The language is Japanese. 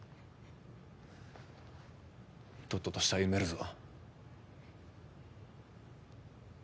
とっとと死体埋めるぞ。